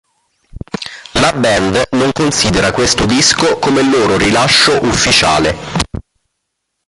La band non considera questo disco come loro rilascio ufficiale.